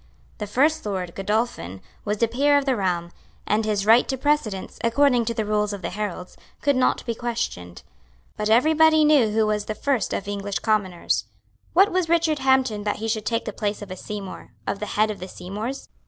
The First Lord, Godolphin, was a peer of the realm; and his right to precedence, according to the rules of the heralds, could not be questioned. But every body knew who was the first of English commoners. What was Richard Hampden that he should take the place of a Seymour, of the head of the Seymours?